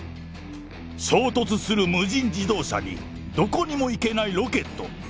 衝突する無人自動車に、どこにも行けないロケット。